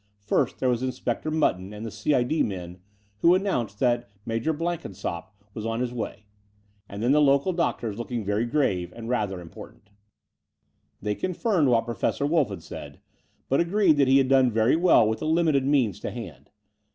First there was Inspector Mutton and the C.I.D. men, who announced that Major Blenkinsopp was on his way; and then the local doctors, looking very grave and rather important. i They confirmed what Professor Wolff had said, but agreed that he had done very well with the limited means to hand.